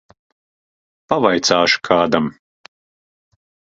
Pavaicāšu kādam.